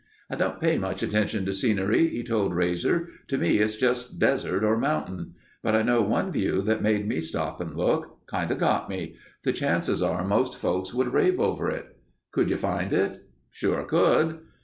"I don't pay much attention to scenery," he told Rasor. "To me it's all just desert or mountain. But I know one view that made me stop and look. Kinda got me. The chances are most folks would rave over it." "Could you find it?" "Sure could...."